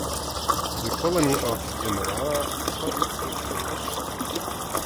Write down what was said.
The colony of Demerara started to flourish.